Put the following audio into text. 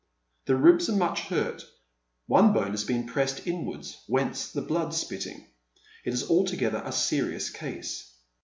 The ribs are much hurt, one bone has been pressed iDwarda, »'hence the blood spitting. It is altogether a serious case.